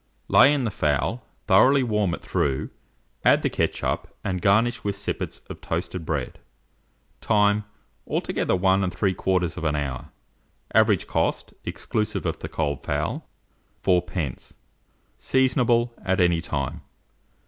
Lay in the fowl, thoroughly warm it through, add the ketchup, and garnish with sippets of toasted bread. Time. Altogether 1 3/4 hour. Average cost, exclusive of the cold fowl, 4d. Seasonable at any time.